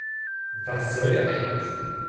Was soll der Scheiß?